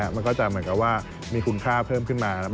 มันก็จะเหมือนกับว่ามีคุณค่าเพิ่มขึ้นมา